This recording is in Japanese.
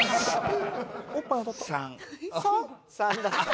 ３だって。